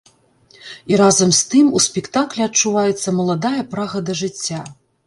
І разам з тым у спектаклі адчуваецца маладая прага да жыцця.